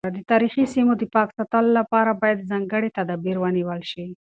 د تاریخي سیمو د پاک ساتلو لپاره باید ځانګړي تدابیر ونیول شي.